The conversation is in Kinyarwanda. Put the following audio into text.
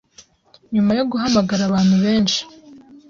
"Nyuma yo guhamagara abantu benshi,